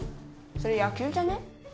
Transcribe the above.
それ野球じゃね？